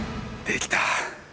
できた！